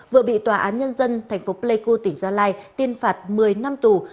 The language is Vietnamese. vừa bị tòa án nhân dân thành phố pleiku tỉnh gia lai tuyên phạt một mươi năm tù